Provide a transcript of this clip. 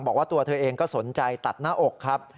บอกว่าตัวเธอเองก็สนใจตัดหน้าอกครับ